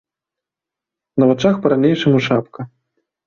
На вачах па-ранейшаму шапка.